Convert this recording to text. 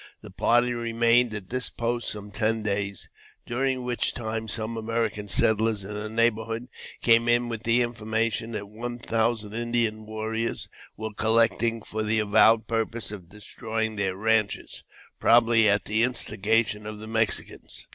The party remained at this post some ten days, during which time some American settlers in the neighborhood came in with the information that one thousand Indian warriors were collecting for the avowed purpose of destroying their ranches, probably at the instigation of the Mexicans.